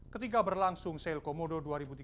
ketika berlangsung sale komodo dua ribu tiga belas